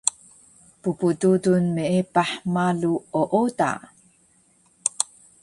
ppdudul meepah malu ooda